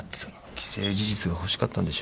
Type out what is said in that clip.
既成事実が欲しかったんでしょうね。